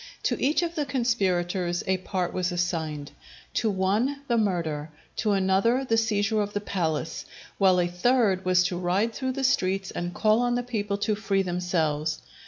To each of the conspirators a part was assigned: to one the murder, to another the seizure of the palace, while a third was to ride through the streets and call on the people to free themselves.